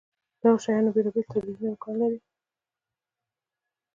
دغو شیانو بېلابېل تعبیرونه امکان لري.